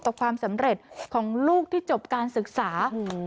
ความสำเร็จของลูกที่จบการศึกษา